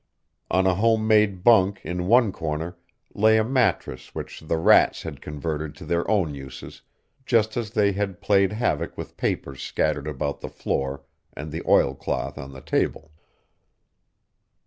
On a homemade bunk in one corner lay a mattress which the rats had converted to their own uses, just as they had played havoc with papers scattered about the floor and the oilcloth on the table.